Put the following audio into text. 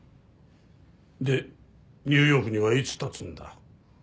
でニューヨークにはいつ発つんだ？